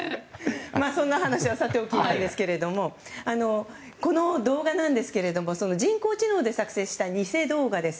そんな話はさておきですけれどもこの動画なんですけども人工知能で作成した偽動画です。